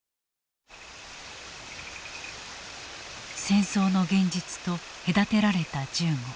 戦争の現実と隔てられた銃後。